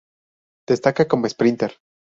Destaca como esprínter.